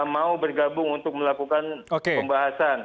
mau bergabung untuk melakukan pembahasan